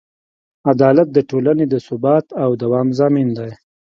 عدالت د ټولنې د ثبات او دوام ضامن دی.